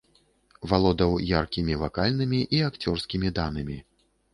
Валодаў яркімі вакальнымі і акцёрскімі данымі.